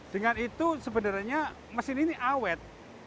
dengan itu sebenarnya mesin ini awet